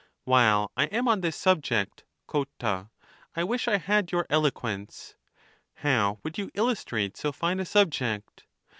While I am on this subject, Cotta, I wish I had your eloquence : how would you illus trate so fine a subject